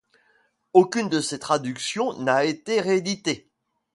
Aucune de ces traductions n'a été rééditée.